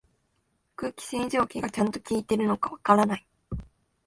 空気清浄機がちゃんと効いてるのかわからない